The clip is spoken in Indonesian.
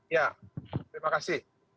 ya terima kasih